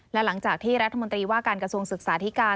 และหลังจากที่รัฐมนตรีว่าการกระทรวงศึกษาธิการ